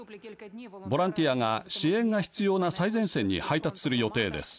ボランティアが支援が必要な最前線に配達する予定です。